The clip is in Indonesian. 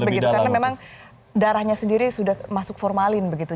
karena memang darahnya sendiri sudah masuk formalin begitu